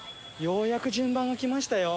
ようやく順番がきましたよ！